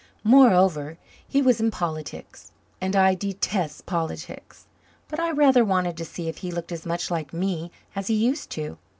Moreover, he was in politics, and I detest politics. But I rather wanted to see if he looked as much like me as he used to.